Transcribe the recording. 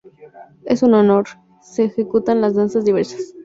En su honor, se ejecutan las danzas diversas.